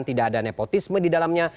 tidak ada nepotisme di dalamnya